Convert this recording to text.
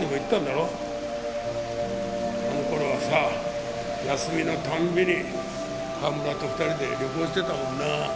あの頃はさ休みの度に川村と２人で旅行してたもんな。